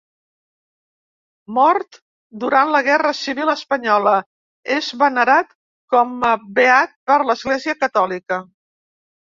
Mort durant la Guerra Civil espanyola, és venerat com a beat per l'Església Catòlica.